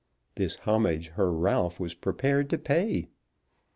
This homage her Ralph was prepared to pay.